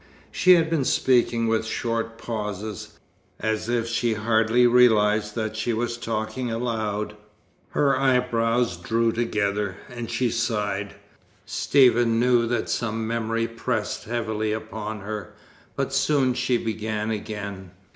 She had been speaking with short pauses, as if she hardly realized that she was talking aloud. Her eyebrows drew together, and she sighed. Stephen knew that some memory pressed heavily upon her, but soon she began again.